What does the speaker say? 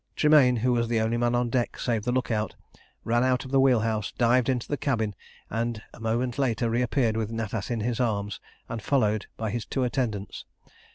Tremayne, who was the only man on deck save the look out, ran out of the wheel house, dived into the cabin, and a moment later reappeared with Natas in his arms, and followed by his two attendants.